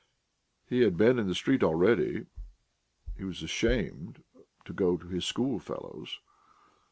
He had been in the street already; he was ashamed to go to his schoolfellows.